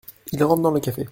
Il rentre dans le café.